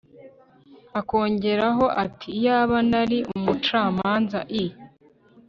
akongeraho ati “ iyaba nari umucamanza”i